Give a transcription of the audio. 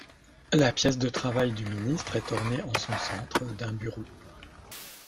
La pièce de travail du ministre est ornée en son centre d'un bureau.